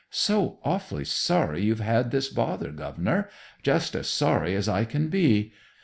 "So awfully sorry you've had this bother, Governor; just as sorry as I can be.